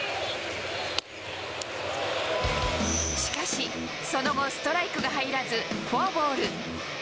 しかし、その後、ストライクが入らずフォアボール。